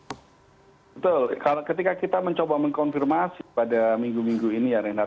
betul ketika kita mencoba mengkonfirmasi pada minggu minggu ini ya renat